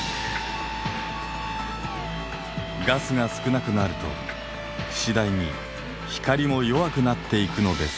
ガスが少なくなると次第に光も弱くなっていくのです。